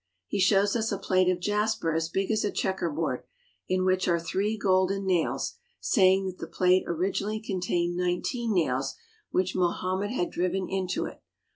He shows us a plate of jasper as big as a checker board, in which are three golden nails, saying that the plate originally contained nineteen nails which Mohammed had driven into it.